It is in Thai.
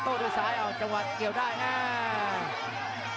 ประโยชน์ทอตอร์จานแสนชัยกับยานิลลาลีนี่ครับ